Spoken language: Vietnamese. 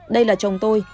đây là chồng tôi